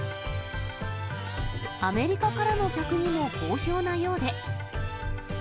アメリカからの客にも好評なようで。